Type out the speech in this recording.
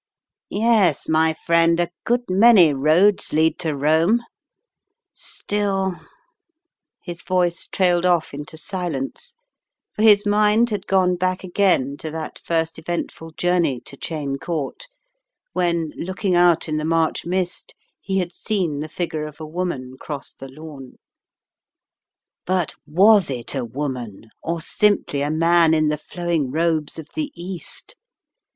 Yes, my friend, a good Miss Cheyne Again 199 many roads lead to Rome — still " His voice trailed off into silence, for his mind had gone back again to that first eventful journey to Cheyne Court, when, looking out in the March mist, he had seen the figure of a woman cross the lawn. But was it a woman, or simply a man in the flowing robes of the East?